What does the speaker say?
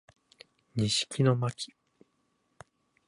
西木野真姫